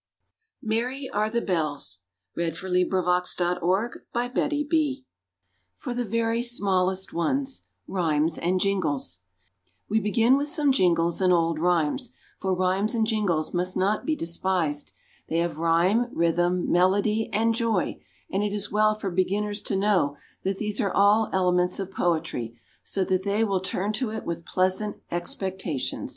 ulay_ 88 INDEX OF AUTHORS 113 INDEX OF FIRST LINES 115 For the Very Smallest Ones RHYMES AND JINGLES _We begin with some jingles and old rhymes; for rhymes and jingles must not be despised. They have rhyme, rhythm, melody, and joy; and it is well for beginners to know that these are all elements of poetry, so that they will turn to it with pleasant expectation.